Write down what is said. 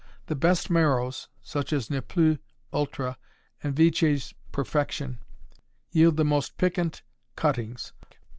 The best marrows, such as Ne Plus Ultra and Veitche's Perfection, yield the most piquant cuttings.